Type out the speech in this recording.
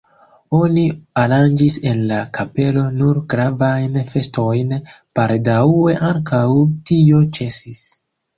Oni aranĝis en la kapelo nur gravajn festojn, baldaŭe ankaŭ tio ĉesis.